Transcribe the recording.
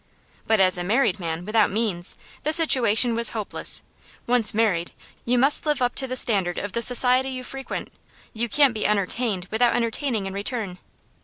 But as a married man, without means, the situation was hopeless. Once married you must live up to the standard of the society you frequent; you can't be entertained without entertaining in return.